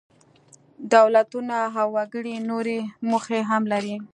دولتونه او وګړي نورې موخې هم لري.